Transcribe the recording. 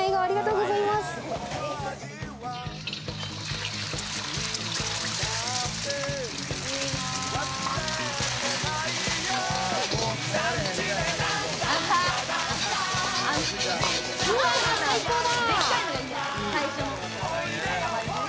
うわ、最高だ。